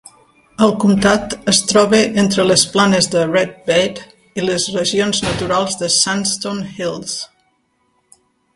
El comtat es troba entre les planes de Red Bed i les regions naturals de Sandstone Hills.